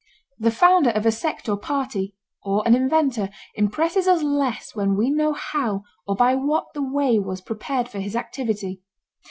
The founder of a sect or party, or an inventor, impresses us less when we know how or by what the way was prepared for his activity.